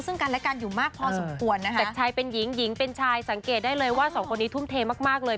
ซึ่งกันและกันอยู่มากพอสมควรนะคะจากชายเป็นหญิงหญิงเป็นชายสังเกตได้เลยว่าสองคนนี้ทุ่มเทมากมากเลย